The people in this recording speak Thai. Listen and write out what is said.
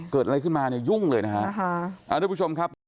เกิดอะไรขึ้นมายุ่งเลยนะครับ